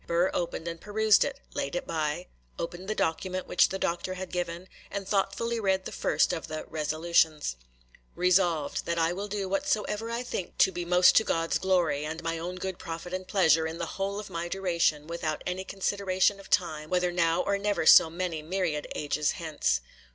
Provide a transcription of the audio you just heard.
Burr opened and perused it,—laid it by,—opened the document which the Doctor had given, and thoughtfully read the first of the 'Resolutions':— 'Resolved, That I will do whatsoever I think to be most to God's glory, and my own good profit and pleasure in the whole of my duration, without any consideration of time, whether now or never so many myriad ages hence.